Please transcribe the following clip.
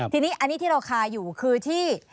ทีนี้อันนี้ที่เราคาอยู่คือที่